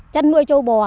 chăn nuôi châu bò